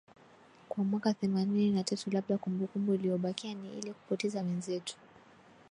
kwa mwaka themanini na tatu labda kumbukumbu iliyobakia ni ile kupoteza wenzetu